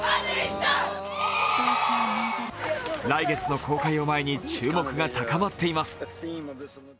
来月の公開を前に注目が高まっています。